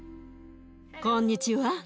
こんにちは。